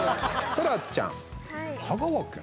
そらちゃん、香川県。